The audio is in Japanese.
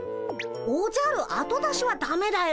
おじゃる後出しはだめだよ。